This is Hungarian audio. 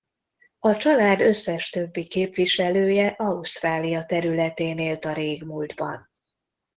A család összes többi képviselője Ausztrália területén élt a régmúltban.